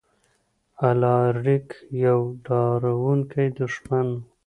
الاریک یو ډاروونکی دښمن و.